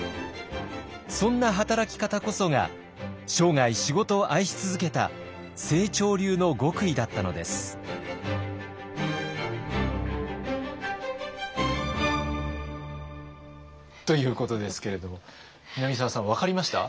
そんな働き方こそが生涯仕事を愛し続けた清張流の極意だったのです。ということですけれども南沢さん分かりました？